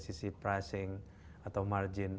sisi pricing atau margin